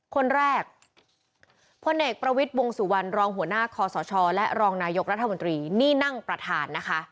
คนแรกพลเอกประวิทย์วงสุวรรณรองหัวหน้าคอสชและรองนายกรัฐมนตรีนี่นั่งประธานนะคะ